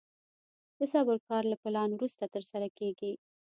د صبر کار له پلان وروسته ترسره کېږي.